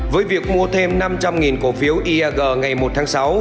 với việc mua thêm năm trăm linh cổ phiếu iag ngày một tháng sáu